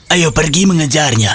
ayo pergi mengejarnya